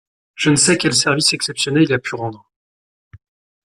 Je ne sais quels services exceptionnels il a pu rendre…